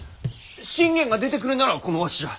信玄が出てくるならこのわしじゃ。